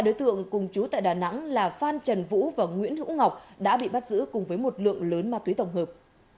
ba đối tượng cùng chú tại đà nẵng là phan trần vũ và nguyễn hữu ngọc đã bị bắt giữ cùng với một lượng lớn ma túy tổng hợp